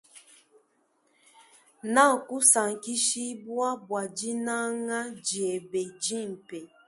Na kusankishibwa bwa dinanga diebe dimpe.